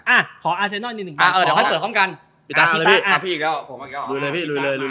อ่าขออาเซนจ์นิดหนึ่งมาอ่าเอาให้เปิดพร้อมกันเอาเลยพี่อู๋เลยพี่หลุยเลยหลุย